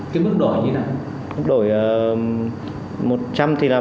cái mức đổi như thế nào